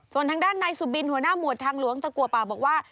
ส่วนทางด้านนายสุบินหัวหน้าหมวดทางหลวงตะกัวป่าบอกว่า